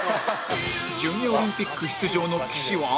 ジュニアオリンピック出場の岸は